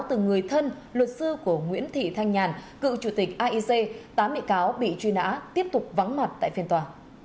từ người thân luật sư của nguyễn thị thanh nhàn cựu chủ tịch aic tám bị cáo bị truy nã tiếp tục vắng mặt tại phiên tòa